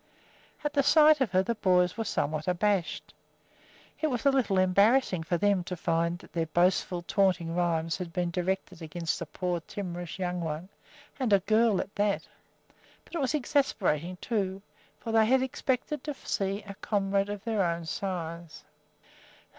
At sight of her the boys were somewhat abashed. It was a little embarrassing for them to find that their boastful, taunting rhymes had been directed against a poor timorous "young one," and a girl at that; but it was exasperating, too, for they had expected to see a comrade of their own size.